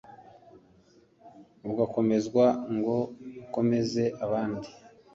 ugakomezwa ngo ukomeze abandi